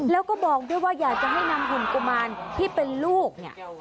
แล้วก็บอกด้วยว่าอยากจะให้นำหุ่นกุมารที่เป็นลูกเนี่ย